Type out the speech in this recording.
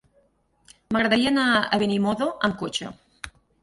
M'agradaria anar a Benimodo amb cotxe.